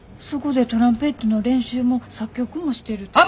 そこでトランペットの練習も作曲もしてる。